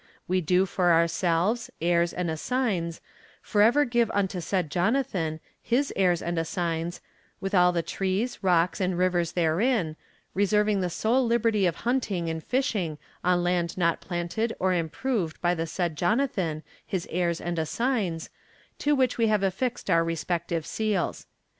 We do for ourselves, heirs and assigns, forever give unto said Jonathan, his heirs and assigns, with all the trees, rocks and rivers therein, reserving the sole liberty of hunting and fishing on land not planted or improved by the said Jonathan, his heirs and assigns, to which we have affixed our respective seals.